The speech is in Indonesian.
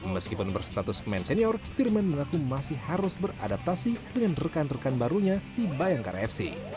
meskipun berstatus pemain senior firman mengaku masih harus beradaptasi dengan rekan rekan barunya di bayangkara fc